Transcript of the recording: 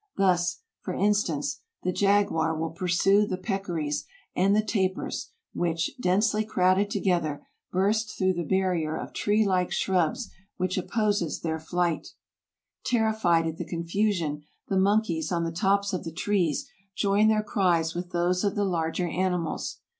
Thus, for instance, the jaguar will pursue the peccaries and the tapirs, which, densely crowded together, burst through the barrier of tree like shrubs which opposes their flight. Ter 178 TRAVELERS AND EXPLORERS rifled at the confusion, the monkeys on the tops of the trees join their cries with those of the larger animals.